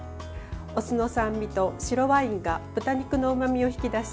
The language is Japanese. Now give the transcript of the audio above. お酢の酸味と白ワインが豚肉のうまみを引き出し